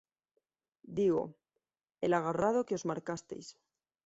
digo. el agarrado que os marcasteis...